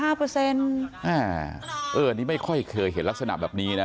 อันนี้ไม่ค่อยเคยเห็นลักษณะแบบนี้นะ